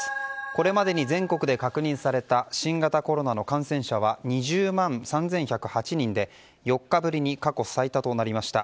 これまでに全国で確認された新型コロナの感染者は２０万３１０８人で４日ぶりに過去最多となりました。